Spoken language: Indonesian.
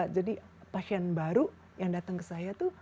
jadi pasien baru yang datang ke saya itu